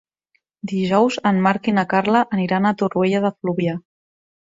Dijous en Marc i na Carla aniran a Torroella de Fluvià.